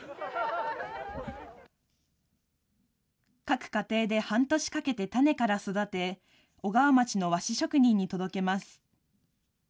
各家庭で半年かけて種から育て、小川町の和紙職人に届けます。